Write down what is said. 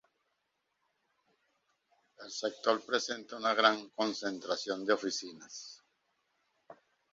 El sector presenta una gran concentración de oficinas.